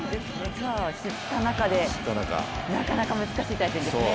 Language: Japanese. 知った仲でなかなか難しい対戦ですね。